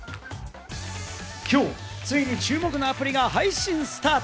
きょうついに注目のアプリが配信スタート。